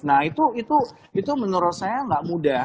nah itu menurut saya nggak mudah